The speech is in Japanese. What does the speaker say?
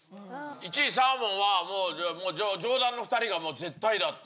１位、サーモンはもう、上段の２人がもう絶対だって。